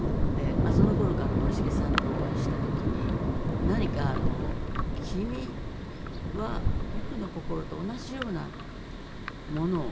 まあその頃から森繁さんとお会いした時に「何か君は僕の心と同じようなものを持っているな」っていう。